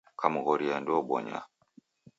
Kamghoria ndeubonya.